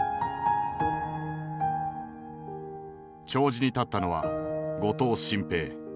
弔辞に立ったのは後藤新平。